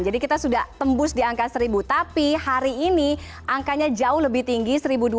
jadi kita sudah tembus di angka seribu tapi hari ini angkanya jauh lebih tinggi seribu dua ratus empat puluh satu